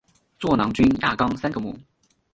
座囊菌亚纲三个目。